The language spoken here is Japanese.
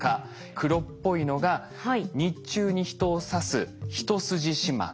黒っぽいのが日中に人を刺すヒトスジシマカ。